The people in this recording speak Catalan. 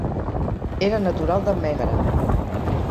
Era natural de Mègara.